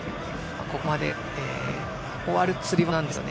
ここまで終わるとつり輪なんですよね。